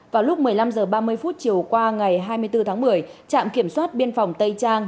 vào lúc một mươi năm h ba mươi chiều qua ngày hai mươi bốn tháng một mươi trạm kiểm soát biên phòng tây trang